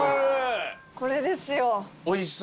これですよ。